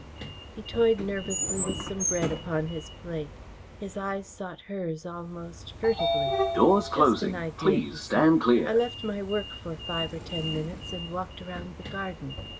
He toyed nervously with some bread upon his plate. His eyes sought hers almost furtively. "Just an idea," he said. "I left my work for five or ten minutes and walked around the garden.